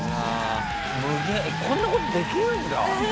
こんな事できるんだ。